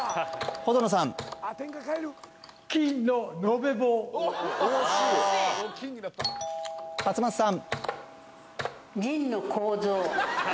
程野さん勝又さん